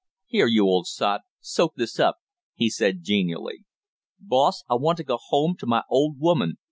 "Here, you old sot, soak this up!" he said genially. "Boss, I want to go home to my old woman!"